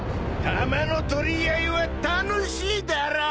タマの取り合いは楽しいだろぉ？